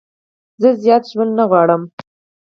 زه زیات ژوند نه غواړم.